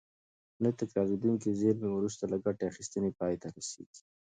نه تکرارېدونکې زېرمې وروسته له ګټې اخیستنې پای ته رسیږي.